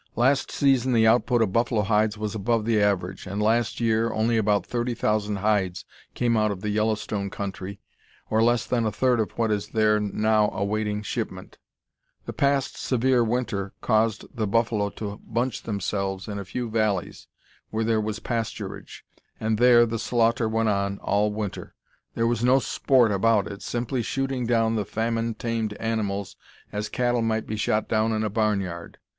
Last season the output of buffalo hides was above the average, and last year only about thirty thousand hides came out of the Yellowstone country, or less than a third of what is there now awaiting shipment The past severe winter caused the buffalo to bunch themselves in a few valleys where there was pasturage, and there the slaughter went on all winter. There was no sport about it, simply shooting down the famine tamed animals as cattle might be shot down in a barn yard.